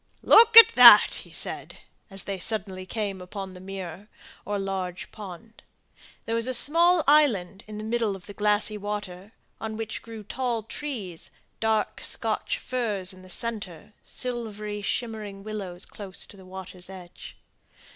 "Look at that!" he said, as they suddenly came upon the mere, or large pond. There was a small island in the middle of the glassy water, on which grew tall trees, dark Scotch firs in the centre, silvery shimmering willows close to the water's edge.